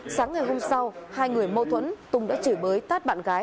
sáng ngày hôm sau hai người mâu thuẫn tùng đã chửi bới tát bạn gái